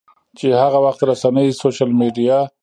چې هغه وخت رسنۍ، سوشل میډیا